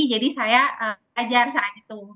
jadi saya belajar saat itu